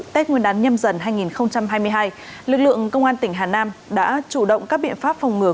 tết nguyên đán nhâm dần hai nghìn hai mươi hai lực lượng công an tỉnh hà nam đã chủ động các biện pháp phòng ngừa